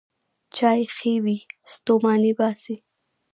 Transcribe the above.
چای ښې وې، ستوماني باسي.